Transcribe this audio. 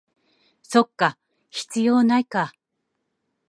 そっか、必要ないか